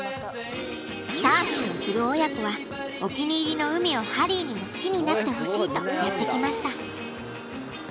サーフィンをする親子はお気に入りの海をハリーにも好きになってほしいとやって来ました。